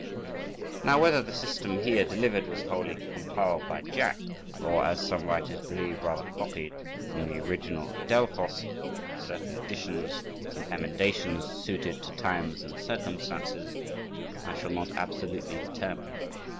Now whether the system here delivered was wholly compiled by Jack, or, as some writers believe, rather copied from the original at Delphos, with certain additions and emendations suited to times and circumstances, I shall not absolutely determine.